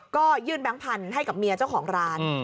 ก็ยื่นแบงค์พันธุ์ให้กับเมียเจ้าของร้าน